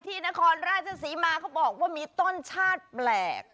นครราชศรีมาเขาบอกว่ามีต้นชาติแปลก